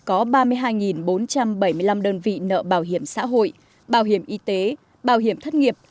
có ba mươi hai bốn trăm bảy mươi năm đơn vị nợ bảo hiểm xã hội bảo hiểm y tế bảo hiểm thất nghiệp